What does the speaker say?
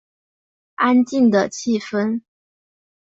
安静的气氛